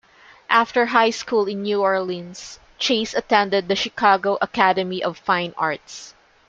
After high school in New Orleans, Chase attended the Chicago Academy of Fine Arts.